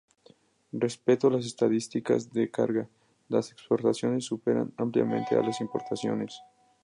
Respecto de las estadísticas de carga, las exportaciones superan ampliamente a las importaciones.